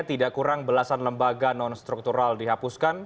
tidak kurang belasan lembaga nonstruktural dihapuskan